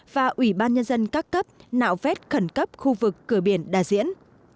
và ủy ban nhân dân các cấp nạo vét khẩn cấp khu vực cửa biển đà diễn